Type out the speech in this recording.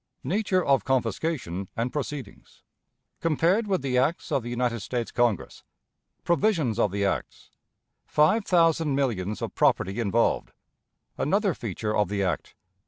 Nature of Confiscation and Proceedings. Compared with the Acts of the United States Congress. Provisions of the Acts. Five Thousand Millions of Property involved. Another Feature of the Act.